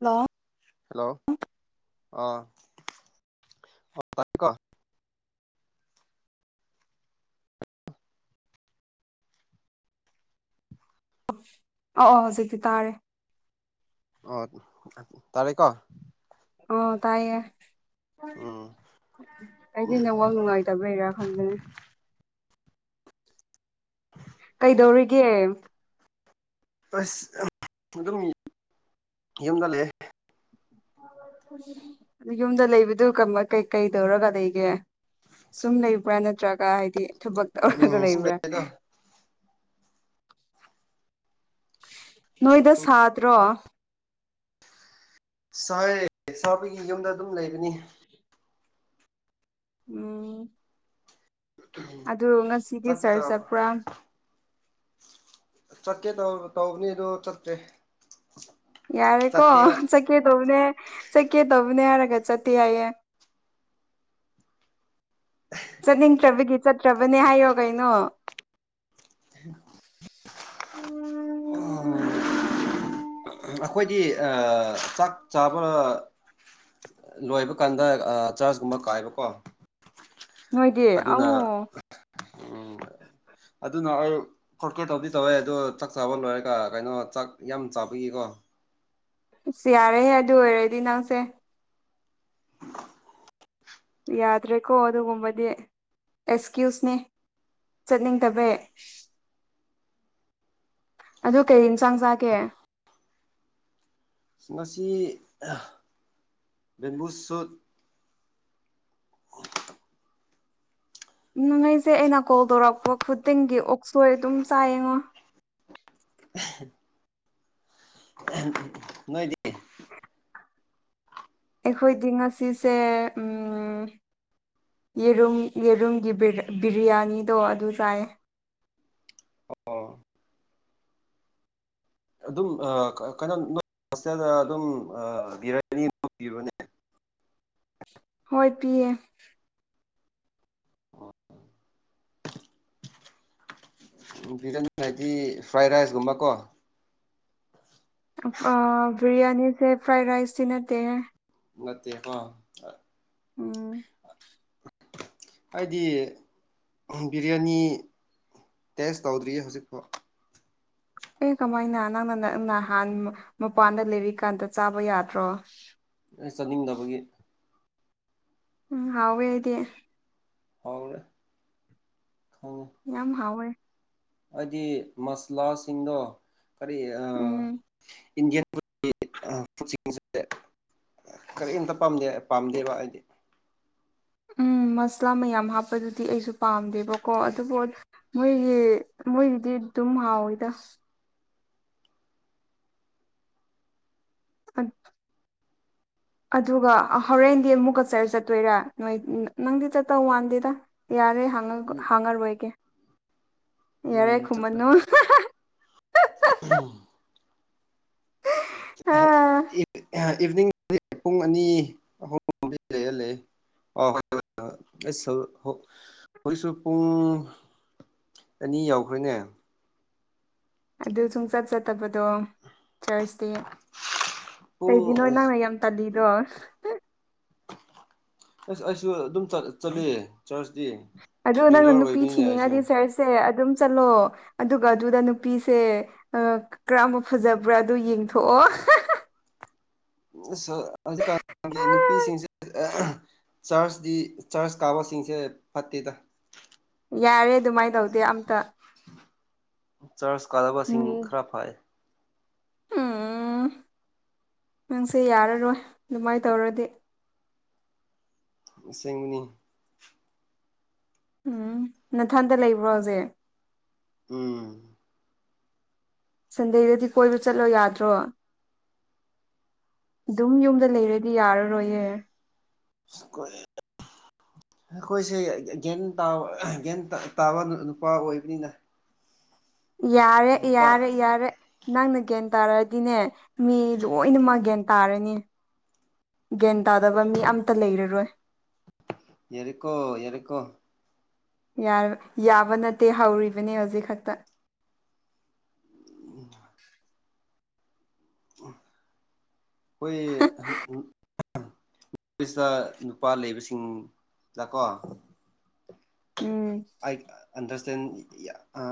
hello hello ꯑꯥ ꯀꯣ ꯑꯧ ꯑꯣ ꯍꯧꯖꯤꯛꯇꯤ ꯇꯥꯔꯦ ꯑꯣ ꯇꯔꯦ ꯀꯣ ꯑꯣ ꯇꯥꯏꯌꯦ ꯎꯝ ꯑꯩꯗꯤ ꯅꯦꯠꯋꯥꯛ ꯅꯨꯡꯉꯥꯏ ꯇꯕꯩꯔ ꯈꯟꯕꯅꯦ ꯀꯩꯗꯧꯔꯤꯒꯦ ꯑꯁ ꯑꯗꯨꯝ ꯌꯨꯝꯗꯂꯩꯌꯦ ꯌꯨꯝꯗ ꯂꯩꯕꯗꯨ ꯀꯃꯥ ꯀꯩ ꯀꯩ ꯇꯧꯔꯒ ꯂꯩꯒꯦ ꯁꯨꯝ ꯂꯩꯕ꯭ꯔꯥ ꯅꯠꯇ꯭ꯔꯒ ꯍꯥꯏꯗꯤ ꯊꯕꯛ ꯇꯧꯔꯒ ꯎꯝ ꯁꯨꯝ ꯂꯩꯕ꯭ꯔꯥ ꯂꯩꯗ ꯅꯣꯏꯗ ꯁꯥꯗ꯭ꯔꯣ ꯁꯥꯢꯌꯦ ꯁꯥꯕꯒꯤ ꯌꯨꯝꯗ ꯑꯗꯨꯝ ꯂꯩꯕꯅꯤ ꯎꯝ ꯑꯗꯨ ꯉꯁꯤꯗꯤ ꯆꯥꯛꯇꯤ ꯆꯔꯆ ꯆꯥꯔꯕ꯭ꯔꯣ ꯆꯠꯄ꯭ꯔꯥ ꯆꯠꯀꯦ ꯇꯧ ꯇꯧꯕꯅꯤ ꯑꯗꯨ ꯆꯠꯇ꯭ꯔꯦ ꯌꯥꯔꯦꯀꯣ ꯆꯠꯇꯦꯕ ꯆꯠꯀꯦ ꯇꯧꯕꯅꯦ ꯆꯠꯀꯦ ꯇꯧꯕꯅꯦ ꯍꯥꯏꯔꯒ ꯆꯠꯇꯦ ꯍꯥꯏꯌꯦ ꯆꯠꯅꯤꯡꯗ꯭ꯔꯕꯒꯤ ꯆꯠꯇ꯭ꯔꯕꯅꯦ ꯍꯥꯏꯌꯣ ꯀꯩꯅꯣ ꯍ ꯑꯩꯈꯣꯏꯗꯥ ꯑ ꯆꯥꯛ ꯆꯥꯕ ꯂꯣꯏꯕ ꯀꯥꯟꯗ ꯑ ꯆꯥꯔꯖꯀꯨꯝꯕ ꯀꯥꯏꯕꯀꯣ ꯅꯣꯏꯗꯤ ꯑꯗꯨꯅ ꯑꯧ ꯎꯝ [inaudible] ꯑꯗꯨꯅ ꯑꯩ ꯈꯣꯠꯀꯠꯇꯧꯗꯤ ꯇꯧꯋꯦ ꯑꯗꯣ ꯆꯥꯛ ꯆꯥꯕ ꯂꯣꯏꯔꯒ ꯀꯩꯅꯣ ꯆꯥꯛ ꯌꯥꯝ ꯆꯥ ꯈꯣꯏꯒꯤꯀꯣ ꯏꯁ ꯌꯥꯔꯦꯍꯦ ꯑꯗꯨ ꯑꯣꯏꯔꯗꯤ ꯅꯪꯁꯦ ꯌꯥꯗ꯭ꯔꯦꯀꯣ ꯑꯗꯨꯒꯨꯝꯕꯗꯤ ꯑꯦꯛꯁꯀ꯭ꯌꯨꯁꯅꯦ ꯆꯠꯅꯤꯡꯗꯕꯩ ꯑꯗꯨ ꯀꯩ ꯏꯟꯁꯥꯡ ꯆꯥꯒꯦ ꯉꯁꯤ ꯕꯦꯝꯕꯨ ꯁꯨꯠ [inaudible] ꯅꯪ ꯑꯩꯁꯦ ꯑꯩꯅ ꯀꯣꯜ ꯇꯧꯔꯛꯄ ꯈꯨꯗꯤꯡꯒꯤ ꯑꯣꯛꯁꯣꯏ ꯑꯗꯨꯝ ꯆꯥꯏꯌꯦꯡꯉꯣ [unintelligible] ꯅꯣꯏꯗꯤ ꯑꯩꯈꯣꯏꯗꯤ ꯉꯁꯤꯁꯦ ꯎꯝ ꯌꯦꯔꯨꯝ ꯌꯦꯔꯨꯝꯒꯤ ꯕꯤꯔꯌꯥꯅꯤꯗꯣ ꯑꯗꯨ ꯆꯥꯏ ꯑꯣ ꯑꯗꯨꯝ ꯀꯩꯅꯣ ꯅꯣꯢ ꯍꯣꯁꯇꯦꯜꯗ ꯑꯗꯨꯝ ꯕꯤꯔꯌꯥꯅꯤ ꯒꯨꯝꯕ ꯄꯤꯕ꯭ꯔꯥꯅꯦ ꯍꯣꯏ ꯄꯤꯌꯦ ꯑꯣ ꯕꯤꯔꯌꯥꯅꯤ ꯍꯥꯏꯗꯤ ꯐ꯭ꯔꯥꯏ ꯔꯥꯏꯁꯒꯨꯝꯕ ꯀꯣ ꯕꯤꯔꯌꯥꯅꯤꯁꯦ ꯐ꯭ꯔꯥꯏ ꯔꯥꯏꯁꯇ ꯅꯠꯇꯦ ꯅꯠꯇꯦ ꯑ ꯎꯝ ꯑꯩꯗꯤ ꯕꯤꯔꯌꯥꯅꯤ ꯇꯦꯁ ꯇꯧꯗ꯭ꯔꯤ ꯍꯧꯖꯤꯛꯐꯥꯎ ꯑꯦ ꯀꯃꯥꯏꯅ ꯅꯪꯅ ꯅꯪ ꯅꯍꯥꯟ ꯃꯄꯥꯟꯗ ꯂꯩꯔꯤꯀꯥꯟꯗ ꯆꯥꯕ ꯌꯥꯗ꯭ꯔꯣ ꯑꯩ ꯆꯠꯅꯤꯡꯗꯕꯒꯤ ꯎꯝ ꯍꯥꯎꯋꯦ ꯍꯥꯏꯗꯤ ꯍꯥꯎꯔꯦ ꯍ ꯌꯥꯝ ꯍꯥꯎꯋꯦ ꯍꯥꯏꯗꯤ ꯃꯁꯂꯥꯁꯤꯡꯗꯣ ꯀꯔꯤ ꯎꯝ ꯏꯟꯗꯤꯌꯥꯟ ꯀꯛꯆꯤꯡꯁꯦ ꯀꯔꯤꯝꯇ ꯄꯥꯝꯗꯦ ꯄꯥꯝꯗꯦꯕ ꯍꯥꯏꯗꯤ ꯎꯝ ꯃꯁꯂꯥ ꯃꯌꯥꯝ ꯍꯥꯞꯄꯗꯨꯗꯤ ꯑꯩꯁꯨ ꯄꯥꯝꯗꯦꯕꯀꯣ ꯑꯗꯨꯕꯨ ꯃꯣꯏꯒꯤ ꯃꯣꯏꯒꯤꯗꯤ ꯑꯗꯨꯝ ꯍꯥꯎꯋꯤꯗ ꯎ ꯑꯗꯨꯒ ꯍꯣꯔꯦꯟꯗꯤ ꯑꯃꯨꯛ ꯀꯛꯆꯔ ꯆꯠꯇꯣꯏꯔꯥ ꯅꯣꯏ ꯅꯪꯗꯤ ꯆꯠꯇꯧ ꯋꯥꯟꯗꯦꯗ ꯌꯥꯔꯦ ꯎꯝ ꯍꯡꯉꯔꯣꯏꯒꯦ ꯌꯥꯔꯦ ꯈꯨꯃꯟꯅꯨ ꯎꯝ ꯑꯥ ꯏꯚꯤꯅꯤꯡ ꯄꯨꯡ ꯑꯅꯤ ꯑꯍꯨꯝꯝꯗꯤ ꯂꯩꯍꯜꯂꯦ ꯑꯣ ꯍ ꯍ ꯍꯣꯏꯁꯨ ꯄꯨꯡ ꯑꯅꯤ ꯌꯥꯎꯈ꯭ꯔꯦꯅꯦ ꯑꯗꯨ ꯁꯨꯡꯆꯠ ꯆꯠꯇꯕꯗꯣ ꯆꯔꯆꯇ ꯀꯩꯗꯤ ꯄꯨꯡ ꯅꯣ ꯑꯁ ꯅꯪꯅ ꯌꯥꯝ ꯇꯜꯂꯤꯗꯣ ꯑꯁ ꯑꯩꯁꯨ ꯑꯗꯨꯝ ꯆꯠꯂꯤꯑ ꯆꯔꯆꯇꯤ ꯑꯗꯨꯗ ꯅꯪꯅ ꯔꯤꯒꯨꯂꯔ ꯅꯨꯄꯤ ꯑꯣꯏꯕꯅꯤꯅꯦ ꯑꯩꯁꯨ ꯊꯤꯅꯤꯡꯉꯗꯤ ꯆꯔꯁ ꯁꯦ ꯑꯗꯨꯝ ꯆꯠꯂꯣ ꯑꯗꯨꯒ ꯑꯗꯨꯗ ꯅꯨꯄꯤꯁꯦ ꯑ ꯀꯔꯝꯕ ꯐꯖꯕ꯭ꯔꯥ ꯑꯗꯨ ꯌꯦꯡꯊꯣꯛꯑꯣ ꯍꯧꯖꯤꯀꯥꯟꯒꯤ ꯅꯨꯄꯤꯁꯤꯡꯁꯦ ꯆꯔꯆꯇꯤ ꯆꯔꯆ ꯀꯥꯕꯁꯤꯡꯁꯦ ꯐꯠꯇꯦꯗ ꯌꯥꯔꯦ ꯑꯗꯨꯃꯥꯏꯅ ꯇꯧꯗꯦ ꯑꯝꯇ ꯆꯔꯆ ꯀꯥꯗꯕꯁꯤꯡ ꯎꯝ ꯈꯔ ꯐꯥꯏ ꯎꯝ ꯅꯪꯁꯦ ꯌꯥꯔꯔꯣꯏ ꯑꯗꯨꯃꯥꯏꯅ ꯇꯧꯔꯗꯤ ꯑꯁꯦꯡꯃꯤꯅꯤ ꯎꯝ ꯅꯊꯟꯗ ꯂꯩꯕ꯭ꯔꯣ ꯍꯧꯖꯤꯛ ꯎꯝ ꯁꯟꯗꯦꯗꯗꯤ ꯀꯣꯏꯕ ꯆꯠꯂꯣ ꯌꯥꯗ꯭ꯔꯣ ꯑꯗꯨꯝ ꯌꯨꯝꯗ ꯂꯩꯔꯗꯤ ꯌꯥꯔꯔꯣꯏꯌꯦ ꯁꯈꯣꯏ ꯑꯩꯈꯣꯏꯁꯦ ꯒ꯭ꯌꯥꯟ ꯇꯥꯕ ꯒ꯭ꯌꯥꯟ ꯇꯥꯕ ꯅꯨꯄꯥ ꯑꯣꯏꯕꯅꯤꯅ ꯌꯥꯔꯦ ꯃꯄꯥ ꯌꯥꯔꯦ ꯌꯥꯔꯦ ꯅꯪꯅ ꯒ꯭ꯌꯥꯟ ꯇꯥꯔꯗꯤꯅꯦ ꯃꯤ ꯂꯣꯏꯅꯃꯛ ꯒ꯭ꯌꯥꯟ ꯇꯥꯔꯅꯤ ꯒ꯭ꯌꯥꯟ ꯇꯥꯗꯕ ꯃꯤ ꯑꯇ ꯂꯩꯔꯔꯣꯏ ꯌꯦꯔꯀꯣ ꯌꯦꯔꯀꯣ ꯌꯥ ꯌꯥꯕ ꯅꯠꯇꯦ ꯍꯧꯔꯤꯕꯅꯤ ꯍꯧꯖꯤꯛ ꯈꯛꯇ ꯎ ꯑꯩꯈꯣꯏ ꯅꯐꯁꯇ ꯅꯨꯄꯥ ꯂꯩꯕꯁꯤꯡꯗꯥꯛꯀꯣ ꯎꯝ ꯑ ꯑꯟꯗꯔꯁꯇꯦꯟ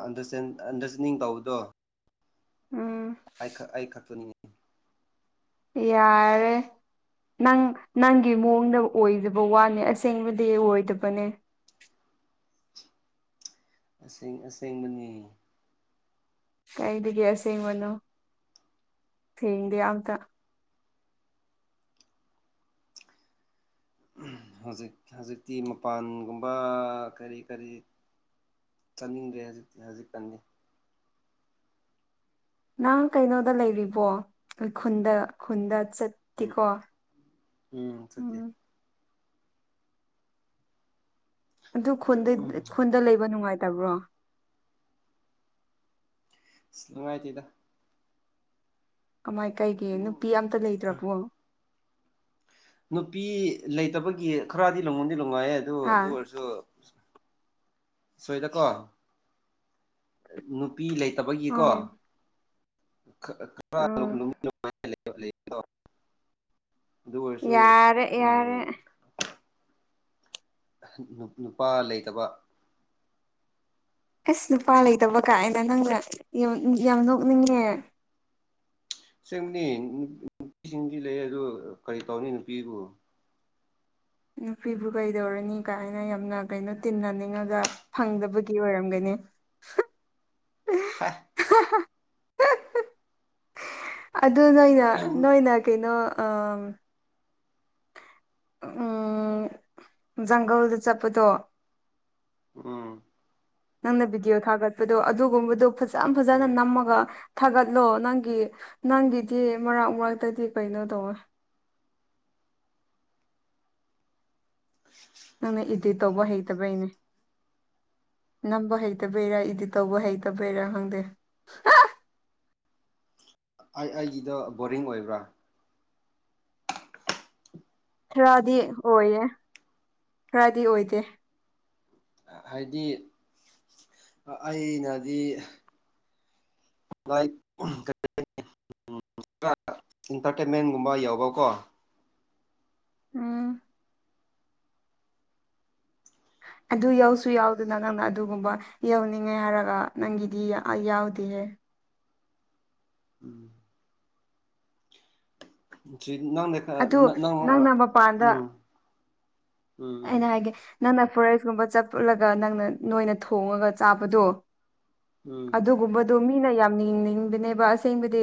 ꯑꯟꯗꯔꯁꯇꯦꯟ ꯑꯟꯗꯔꯁꯇꯦꯟꯗꯤꯡ ꯇꯧꯕꯗꯣ ꯎꯝ ꯑꯩ ꯑꯩꯈꯛꯇꯅꯤ ꯌꯥꯔꯦ ꯅꯪ ꯅꯪꯒꯤ ꯃꯑꯣꯡꯗ ꯑꯣꯏꯗꯕ ꯋꯥꯅꯦ ꯑꯁꯦꯡꯕꯗꯤ ꯑꯣꯏꯗꯕꯅꯦ ꯑꯁꯦꯡ ꯑꯁꯦꯡꯕꯅꯤ ꯀꯩꯗꯒꯦ ꯑꯁꯦꯡꯕꯅꯣ ꯁꯦꯡꯗꯦ ꯑꯃꯇ ꯍꯧꯖꯤꯛ ꯍꯧꯖꯤꯛꯇꯤ ꯃꯄꯥꯟꯒꯨꯝꯕ ꯀꯔꯤ ꯀꯔꯤ ꯆꯠꯅꯤꯡꯗ꯭ꯔꯦꯗ ꯍꯧꯖꯤꯛꯇꯤ ꯍꯧꯖꯤꯛꯀꯥꯟꯗꯤ ꯅꯪ ꯀꯩꯅꯣꯗ ꯂꯩꯔꯤꯕꯣ ꯈꯨꯟꯗ ꯈꯨꯟꯗ ꯆꯠ ꯎꯝ ꯎꯝ ꯁꯠꯇꯦ ꯑꯗꯨ ꯎꯝ ꯈꯨꯟꯗ ꯂꯩꯕ ꯅꯨꯡꯉꯥꯏꯇꯕ꯭ꯔꯣ ꯅꯨꯡꯉꯥꯏꯇꯦꯗ ꯀꯃꯥꯏ ꯀꯩꯒꯤ ꯅꯨꯄꯤ ꯑꯃꯇ ꯂꯩꯗ꯭ꯔꯕꯣ ꯅꯨꯄꯤ ꯂꯩꯇꯕꯒꯤ ꯈꯔꯗꯤ ꯅꯨꯡꯗꯤ ꯅꯨꯡꯉꯥꯏꯑꯦ ꯑꯗꯨ ꯍꯥ ꯑꯗꯨ ꯑꯣꯏꯔꯁꯨ ꯁꯣꯏꯗꯀꯣ ꯅꯨꯄꯤ ꯂꯩꯇꯕꯒꯤꯀꯣ ꯑꯥ ꯈꯔꯥ ꯎꯝ ꯅꯨꯃꯤꯃꯥꯏ ꯂꯗꯣ ꯑꯗꯨ ꯑꯣꯏꯔꯁꯨ ꯌꯥꯔꯦ ꯌꯥꯔꯦ ꯎꯝ ꯅꯨꯄꯥ ꯂꯩꯇꯕ ꯑꯁ ꯅꯨꯄꯥ ꯂꯩꯇꯕ ꯀꯥꯏꯅ ꯅꯪꯅ ꯌꯥꯝ ꯅꯣꯛꯅꯤꯡꯉꯦ ꯑꯁꯦꯡꯕꯅꯤ ꯅꯨꯄꯤꯁꯤꯡꯗꯤ ꯂꯩ ꯑꯗꯣ ꯀꯔꯤ ꯇꯧꯅꯤ ꯅꯨꯄꯤꯕꯨ ꯅꯨꯄꯤꯕꯨ ꯀꯩꯗꯧꯔꯅꯤ ꯀꯥꯏꯅ ꯌꯥꯝꯅ ꯀꯩꯅꯣ ꯇꯤꯟꯅꯅꯤꯡꯉꯒ ꯐꯪꯗꯕꯒꯤ ꯑꯣꯏꯔꯝꯒꯅꯤ ꯍꯥ ꯍꯥ ꯍꯥ ꯑꯗꯨ ꯅꯣꯏꯅ ꯎꯝ ꯅꯣꯏꯅ ꯀꯩꯅꯣ ꯎꯝ ꯖꯪꯒꯜꯗ ꯆꯠꯄꯗꯣ ꯎꯝ ꯅꯪꯅ ꯚꯤꯗꯤꯑꯣ ꯊꯥꯒꯠꯄꯗꯣ ꯑꯗꯨꯒꯨꯝꯕꯗꯣ ꯐꯖ ꯐꯖꯅ ꯎꯝ ꯅꯝꯃꯒ ꯊꯥꯒꯠꯂꯣ ꯅꯪꯒꯤ ꯅꯪꯒꯤꯗꯤ ꯃꯔꯛ ꯃꯔꯛꯇꯗꯤ ꯀꯩꯅꯣ ꯇꯧꯋꯦ ꯑꯁ ꯅꯪꯅ ꯏꯗꯤꯠ ꯇꯧꯕ ꯍꯩꯇꯕꯩꯅꯦ ꯅꯝꯕ ꯍꯩꯇꯕꯩꯔꯥ ꯏꯗꯤꯠ ꯇꯧꯕ ꯍꯩꯇꯕꯩꯔ ꯈꯪꯗꯦ ꯑꯩ ꯑꯩꯒꯤꯗ ꯕꯣꯔꯤꯡ ꯑꯣꯏꯕ꯭ꯔꯥ ꯈꯔꯗꯤ ꯑꯣꯏꯌꯦ ꯈꯔꯗꯤ ꯑꯣꯏꯗꯦ ꯍꯥꯏꯗꯤ ꯑꯩꯅꯗꯤ ꯂꯥꯏ ꯏꯟꯇꯔꯇꯦꯟꯃꯦꯟꯒꯨꯝꯕ ꯌꯥꯎꯕꯀꯣ ꯎꯝ ꯑꯗꯨ ꯌꯧꯁꯨ ꯌꯥꯎꯗꯅ ꯅꯪꯅ ꯑꯗꯨꯒꯨꯝꯕ ꯌꯥꯎꯅꯤꯡꯉꯦ ꯍꯥꯏꯔꯒ ꯅꯥꯪꯒꯤꯗꯤ ꯌꯥꯎꯗꯦꯍꯦ ꯎꯝ ꯁꯤ ꯅꯪꯅ ꯑꯗꯨ ꯅꯪ ꯅꯪꯅ ꯃꯄꯥꯟꯗ ꯎꯝ ꯎꯝ ꯑꯩꯅ ꯍꯥꯏꯒꯦ ꯅꯪꯅ ꯐꯣꯔꯦꯁ ꯀꯨꯝꯕ ꯆꯠꯂꯒ ꯅꯪꯅ ꯅꯣꯏꯅ ꯊꯣꯡꯉꯒ ꯆꯥꯕꯗꯣ ꯎꯝ ꯑꯗꯨꯒꯨꯝꯕꯗꯨ ꯃꯤꯅ ꯌꯥꯝ ꯌꯦꯡꯅꯤꯡꯕꯅꯦꯕ ꯑꯁꯦꯡꯕꯗꯤ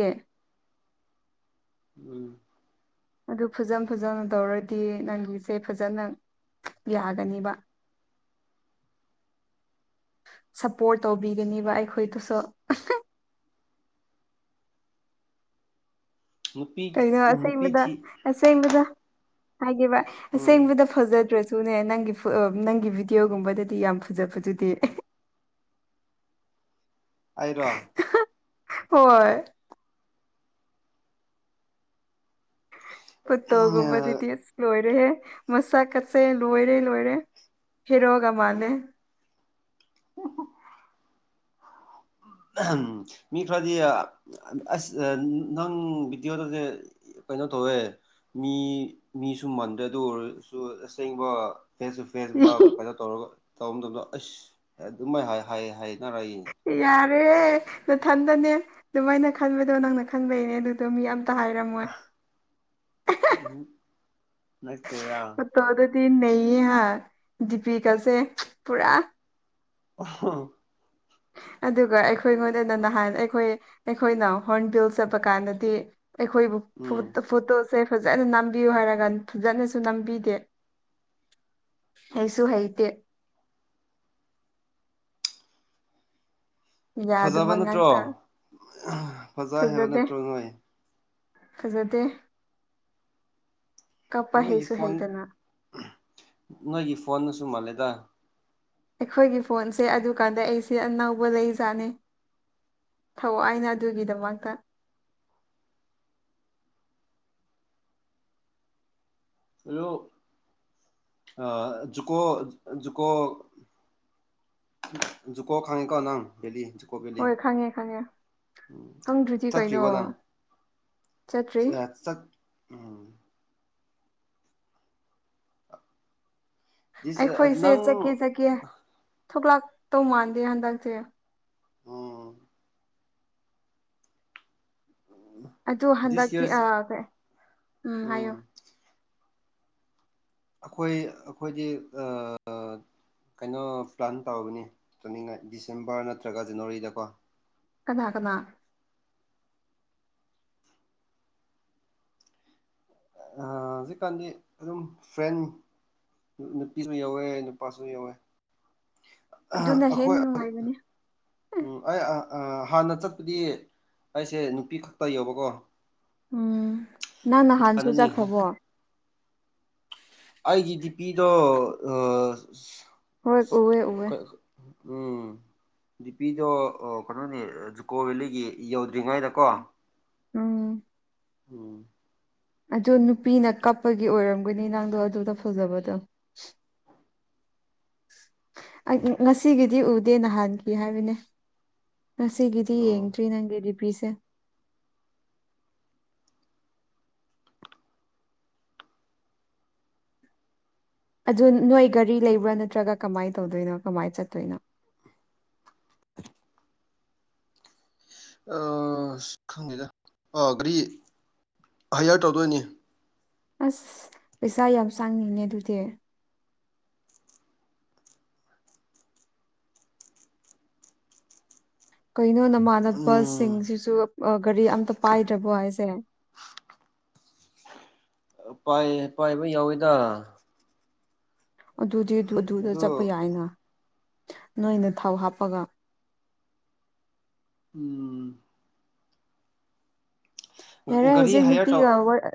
ꯎꯝ ꯑꯗꯨ ꯐꯖ ꯐꯖꯅ ꯇꯧꯔꯗꯤ ꯅꯪꯒꯤꯁꯦ ꯐꯖꯅ ꯌꯥꯒꯅꯤꯕ ꯁꯄꯣꯔꯠ ꯇꯧꯕꯤꯒꯅꯦꯕ ꯑꯩꯈꯣꯏꯗꯨꯁꯨ ꯅꯨꯄꯤ ꯀꯩꯅꯣ ꯅꯨꯄꯤ ꯑꯁꯦꯡꯕꯗ ꯊꯤ ꯑꯁꯦꯡꯕꯗ ꯍꯥꯏꯒꯦꯕ ꯎꯝ ꯑꯁꯦꯡꯕꯗ ꯐꯖꯗ꯭ꯔꯁꯨꯅꯦ ꯅꯪꯒꯤ ꯅꯪꯒꯤ ꯚꯤꯗꯤꯑꯣꯒꯨꯝꯕꯗꯗꯤ ꯌꯥꯝ ꯐꯖ ꯐꯖꯗꯦ ꯑꯩꯔꯣ ꯍꯣꯏ ꯐꯣꯇꯣꯒꯨꯝꯕꯗꯗꯤ ꯂꯣꯏꯔꯦꯍꯦ ꯃꯁꯛ ꯀꯁꯦ ꯂꯣꯏꯔꯦ ꯂꯣꯏꯔꯦ ꯍꯦꯔꯣꯒ ꯃꯥꯜꯂꯦ [unintelligible] ꯃꯤ ꯈꯔꯗꯤ ꯑꯁ ꯅꯪ ꯕꯤꯗꯤꯑꯣꯗꯨꯗꯤ ꯀꯩꯅꯣ ꯇꯧꯋꯦ ꯃꯤ ꯃꯤꯁꯨ ꯃꯟꯗꯦ ꯑꯗꯨ ꯑꯣꯏꯔꯁꯨ ꯑꯁꯦꯡꯕ ꯐꯦꯁ ꯇꯨ ꯐꯦꯁꯀꯨꯝꯕ ꯀꯩꯅꯣ ꯇꯧꯔꯒ ꯇꯧꯕ ꯃꯇꯝꯗ ꯑꯁ ꯑꯗꯨꯃꯥꯏ ꯍꯥꯏ ꯍꯥꯏꯅꯔ ꯌꯦꯡꯉꯦ ꯌꯥꯔꯦ ꯅꯊꯟꯗꯅꯦ ꯑꯗꯨꯃꯥꯏꯅ ꯈꯟꯕꯗꯣ ꯅꯪꯅ ꯈꯟꯕꯩꯅꯦ ꯑꯗꯨꯗꯣ ꯃꯤ ꯌꯥꯝ ꯇꯍꯥꯏꯔꯝꯃꯣꯏ ꯅꯠꯇꯦꯗ ꯇꯣ ꯑꯗꯨꯗꯤ ꯅꯩꯌꯦ ꯍꯥ ꯗꯤꯄꯤꯀꯁꯦ ꯄꯨꯔꯥ ꯑꯣꯍꯣ ꯑꯗꯨꯒ ꯑꯩꯈꯣꯏꯉꯣꯟꯗꯅ ꯅꯍꯥꯟ ꯑꯩꯈꯣꯏ ꯑꯩꯈꯣꯏꯅ ꯍꯣ꯭ꯔꯟ ꯕꯤꯜ ꯆꯠꯄ ꯀꯥꯟꯗꯗꯤ ꯑꯩꯈꯣꯏꯕꯨ ꯎꯝ ꯐꯣꯇꯣꯁꯦ ꯐꯖꯅ ꯅꯝꯕꯤꯌꯨ ꯍꯥꯏꯔꯒ ꯐꯖꯅꯁꯨ ꯅꯝꯕꯤꯗꯦ ꯍꯩꯁꯨ ꯍꯩꯇꯦ ꯌꯥꯗꯕ ꯐꯖꯕ ꯅꯠꯇ꯭ꯔꯣ ꯉꯥꯛꯇ ꯐꯖꯩ ꯍꯥꯏꯕ ꯐꯖꯗꯦ ꯅꯠꯇ꯭ꯔꯣ ꯅꯣꯏ ꯐꯖꯗꯦ ꯀꯞꯄ ꯅꯣꯏꯒꯤ ꯍꯩꯁꯨ ꯐꯣꯟ ꯍꯩꯇꯅ ꯅꯣꯏꯒꯤ ꯐꯣꯟꯅꯁꯨ ꯃꯥꯜꯂꯦꯗ ꯑꯩꯈꯣꯏꯒꯤ ꯐꯣꯟꯁꯦ ꯑꯗꯨꯀꯥꯟꯗ ꯑꯩꯁꯦ ꯑꯅꯧꯕ ꯂꯩꯖꯥꯠꯅꯦ ꯊꯧꯋꯥꯏꯅ ꯑꯗꯨꯒꯤꯗꯃꯛꯇ ꯑꯂꯨ ꯑ ꯖꯨꯀꯣ ꯖꯨꯀꯣ ꯖꯨꯀꯣ ꯈꯪꯉꯤꯀꯣ ꯅꯪ ꯚꯦꯂꯤ ꯖꯨꯀꯣ ꯚꯦꯂꯤ ꯍꯣꯏ ꯈꯪꯉꯦ ꯈꯪꯉꯦ ꯎꯝ ꯈꯪꯗ꯭ꯔꯤꯗꯤ ꯀꯩꯅꯣ ꯆꯠꯈꯤꯕꯣ ꯅꯪ ꯆꯠꯇ꯭ꯔꯤ ꯆ ꯆꯠ ꯎꯝ ꯗꯤꯁ ꯑꯩꯈꯣꯏꯁꯦ ꯆꯠꯀꯦ ꯅꯪ ꯆꯠꯀꯦ ꯊꯣꯛꯂꯛꯇꯧ ꯃꯥꯟꯗꯦ ꯍꯟꯗꯛꯁꯦ ꯎꯝ ꯎ ꯑꯗꯨ ꯍꯟꯗꯛꯇꯤ ꯑ ꯀꯩ ꯎꯝ ꯍꯥꯏꯌꯨ ꯑꯈꯣꯏ ꯑꯈꯣꯏꯗꯤ ꯑ ꯀꯩꯅꯣ ꯄ꯭ꯂꯥꯟ ꯇꯧꯔꯕꯅꯤ ꯆꯅꯤꯡꯉꯥꯏ ꯗꯤꯁꯦꯝꯕ꯭ꯔ ꯅꯠꯇ꯭ꯔꯒ ꯖꯅꯋꯥꯔꯤꯗꯀꯣ ꯀꯅꯥ ꯀꯅꯥ ꯑ ꯍꯧꯖꯤꯛꯀꯥꯟꯗꯤ ꯑꯗꯨꯝ ꯐ꯭ꯔꯦꯟ ꯅꯨꯄꯤꯁꯨ ꯌꯥꯎꯋꯦ ꯅꯨꯄꯥꯁꯨ ꯌꯥꯎꯋꯦ ꯑꯗꯨꯅ ꯍꯦꯟꯅ ꯑꯩꯈꯣꯏ ꯅꯨꯡꯉꯥꯢꯕꯅꯤ ꯎꯝ ꯑꯩ ꯑ ꯑ ꯍꯥꯟꯅ ꯆꯠꯄꯗꯤ ꯑꯩꯁꯦ ꯅꯨꯄꯤ ꯈꯛꯇ ꯌꯧꯕꯀꯣ ꯎꯝ ꯅꯪ ꯅꯍꯥꯟꯁꯨ ꯍꯥꯟꯅꯅꯤ ꯆꯠꯈ꯭ꯔꯕꯣ ꯑꯩꯒꯤ ꯗꯤꯄꯤꯗꯣ ꯍꯣꯏ ꯎꯋꯦ ꯎꯋꯦ ꯑ ꯎꯝ ꯗꯤꯄꯤꯗꯣ ꯑ ꯀꯩꯅꯣꯅꯦ ꯖꯨꯀꯣ ꯚꯦꯂꯤꯒꯤ ꯌꯧꯗ꯭ꯔꯤꯉꯩꯗ ꯀꯣ ꯎꯝ ꯎꯝ ꯑꯗꯨ ꯅꯨꯄꯤꯅ ꯀꯞꯄꯒꯤ ꯑꯣꯏꯔꯝꯒꯅꯤ ꯅꯪꯗꯣ ꯑꯗꯨꯗ ꯐꯖꯕꯗꯣ ꯑꯩ ꯉꯁꯤꯒꯤꯗꯤ ꯎꯗꯦ ꯅꯍꯥꯟꯒꯤ ꯍꯥꯏꯕꯅꯦ ꯉꯁꯤꯒꯤꯗꯤ ꯑꯣ ꯌꯦꯡꯗ꯭ꯔꯤ ꯅꯪꯒꯤ ꯗꯤꯄꯤꯁꯦ ꯑꯗꯨ ꯅꯣꯏ ꯒꯔꯤ ꯂꯩꯕ꯭ꯔꯥ ꯅꯠꯇ꯭ꯔꯒ ꯀꯃꯥꯏ ꯇꯧꯗꯣꯏꯅꯣ ꯀꯃꯥꯏ ꯆꯠꯇꯣꯏꯅꯣ ꯑꯁ ꯈꯪꯗꯦꯗ ꯑꯥ ꯒꯥꯔꯤ ꯍꯥꯏꯌ꯭ꯔ ꯇꯧꯗꯣꯏꯅꯤ ꯑꯁ ꯄꯩꯁꯥ ꯌꯥꯝ ꯆꯪꯉꯤꯅꯦ ꯑꯗꯨꯗꯤ ꯀꯩꯅꯣ ꯅꯃꯥꯟꯅꯕ ꯎꯝ ꯁꯤꯡꯖꯤꯁꯨ ꯒꯥꯔꯤ ꯑꯝꯇ ꯄꯥꯏꯗ꯭ꯔꯕꯣ ꯍꯥꯏꯁꯦ ꯄꯥꯏꯌꯦ ꯄꯥꯏꯕ ꯌꯥꯎꯋꯤꯗ ꯑꯗꯨꯗꯤ ꯑꯗꯨ ꯗꯨꯗ ꯆꯠꯄ ꯌꯥꯏꯅ ꯅꯣꯏꯅ ꯊꯥꯎ ꯍꯥꯞꯄꯒ ꯎꯝ ꯌꯥꯔꯦ ꯒꯥꯔꯤ ꯍꯧꯖꯤꯛ ꯍꯥꯏꯌꯔ ꯇꯧ ꯅꯨꯄꯤꯒ ꯋꯥꯔ